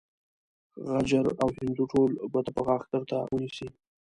غجر او هندو ټول ګوته په غاښ درته ونيسي.